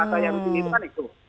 saya harus ini itu kan itu